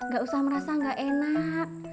gak usah merasa nggak enak